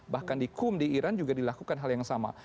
bahkan di kum di iran juga dilakukan hal yang sama